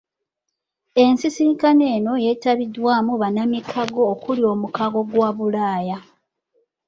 Ensisinkano eno yeetabiddwamu bannamikago okuli omukago gwa Bulaaya.